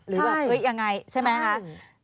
หรือแบบเฮ้ยยังไงใช่ไหมคะ